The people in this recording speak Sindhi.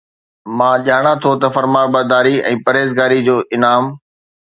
مان ڄاڻان ٿو فرمانبرداري ۽ پرهيزگاري جو انعام